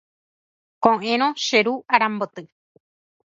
Ko'ẽrõ che ru aramboty.